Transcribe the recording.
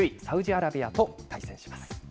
サウジアラビアと対戦します。